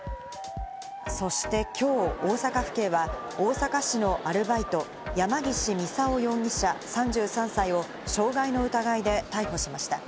そして今日、大阪府警は大阪市のアルバイト、山岸操容疑者、３３歳を傷害の疑いで逮捕しました。